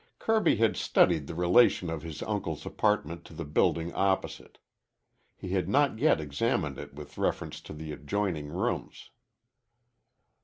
Kirby had studied the relation of his uncle's apartment to the building opposite. He had not yet examined it with reference to the adjoining rooms.